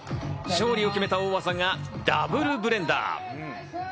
勝利を決めた大技がダブルブレンダー。